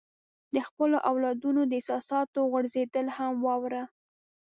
د خپلو اولادونو د احساساتو غورځېدل هم واوره.